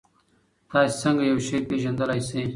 تاسې څنګه یو شی پېژندلای سئ؟